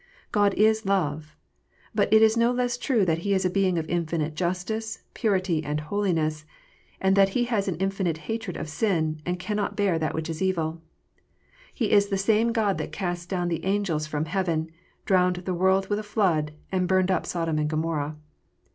"God is love." But it is no less true that He is a Being of infinite justice, purity, and holiness, that He has an infinite hatred of sin, and cannot bear that which is evil. He is the same God that cast down the angels from heaven, drowned the world with a flood, and burned up Sodom and Gomorrah.